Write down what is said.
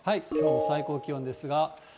きょうの最高気温ですが。